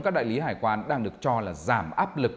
các đại lý hải quan đang được cho là giảm áp lực